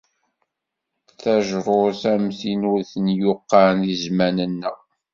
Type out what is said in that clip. Tajṛut am tin ur d tin yuqan deg zzman-nneɣ.